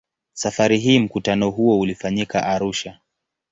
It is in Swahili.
Safari hii mkutano huo ulifanyika Arusha.